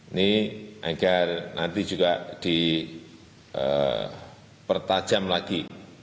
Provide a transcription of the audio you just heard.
ini agar nanti juga dipertajam lagi